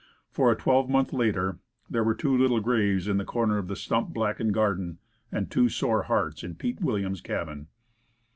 For, a twelvemonth later, there were two little graves in a corner of the stump blackened garden, and two sore hearts in Pete Williams's cabin.